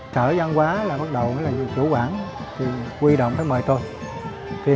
trở văn hóa là bắt đầu chủ quản quy động mời tôi